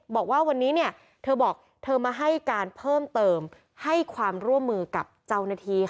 บอกว่าวันนี้เนี่ยเธอบอกเธอมาให้การเพิ่มเติมให้ความร่วมมือกับเจ้าหน้าที่ค่ะ